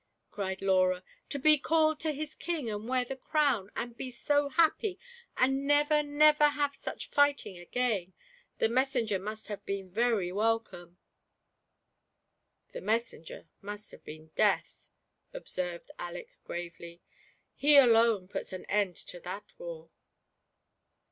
cried Laura, " to be called to his King, and wear the crown, and be so happy, and never, never have such fighting again ! The messenger must have been very welcome." " The messenger must have been Death," observed Aleck, gravely ;*' he alone puts an end to that war."